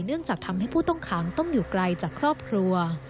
จากทำให้ผู้ต้องขังต้องอยู่ไกลจากครอบครัว